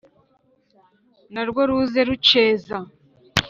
narwo ruze ruceza